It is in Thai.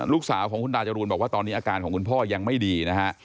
ลูกสาวของคุณตาจรูนบอกว่าตอนนี้อาการของคุณพ่อยังไม่ดีนะฮะ